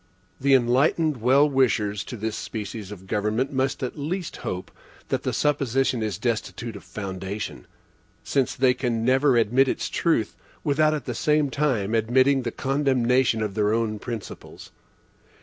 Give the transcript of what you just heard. The enlightened well wishers to this species of government must at least hope that the supposition is destitute of foundation; since they can never admit its truth, without at the same time admitting the condemnation of their own principles.